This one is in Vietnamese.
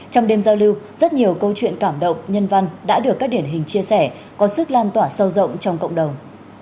trong đêm giao lưu rất nhiều câu chuyện cảm động nhân văn đã được các điển hình chia sẻ có sức lan tỏa sâu rộng trong cộng đồng